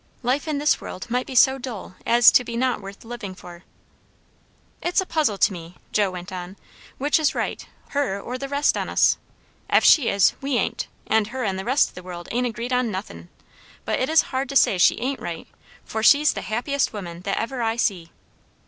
Life in this world might be so dull as to be not worth living for. "It's a puzzle to me," Joe went on, "which is right, her or the rest on us. Ef she is, we ain't. And her and the rest o' the world ain't agreed on nothin'. But it is hard to say she ain't right, for she's the happiest woman that ever I see."